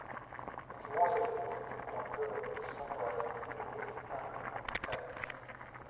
The philosophy of taekwon-do is summarized in the oath and the tenets.